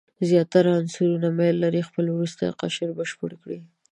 زیاتره عنصرونه میل لري خپل وروستی قشر بشپړ کړي.